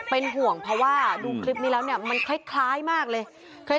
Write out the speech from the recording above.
เป็นห่วงเพราะว่าดูคลิปนี้แล้วเนี่ยมันคล้ายมากเลย